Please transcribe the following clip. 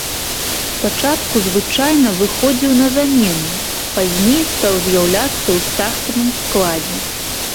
Спачатку звычайна выхадзіў на замену, пазней стаў з'яўляцца ў стартавым складзе.